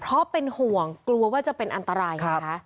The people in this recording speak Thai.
เพราะเป็นห่วงกลัวว่าจะเป็นอันตรายไงคะ